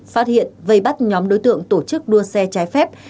phát hiện vây bắt nhóm đối tượng tổ chức đua xe trái phép